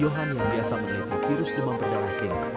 yohan yang biasa meneliti virus demam perjalanan kena